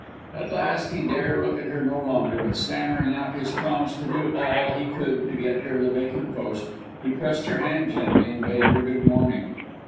At last he dare look at her no longer, but stammering out his promise to do all he could to get her the vacant post, he pressed her hand gently, and bade her good morning.